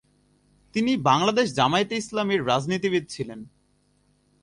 তিনি বাংলাদেশ জামায়াতে ইসলামীর রাজনীতিবিদ ছিলেন।